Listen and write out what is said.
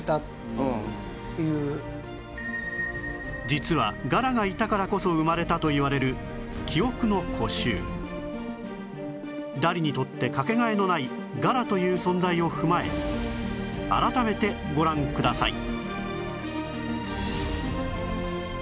実はガラがいたからこそ生まれたといわれる『記憶の固執』ダリにとって掛け替えのないガラという存在を踏まえ改めてご覧ください